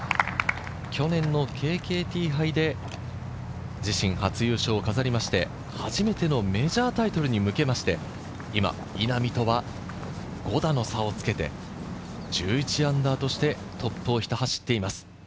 去年のＫＫＴ杯で自身初優勝を飾りまして初めてのメジャータイトルに向けまして、今、稲見とは５打の差をつけて、−１１としてトップをひた走っています。